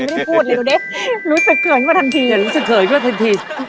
ไม่ได้พูดเลยดูดิรู้สึกเขื่อนกว่าทันทีรู้สึกเขื่อนกว่าทันที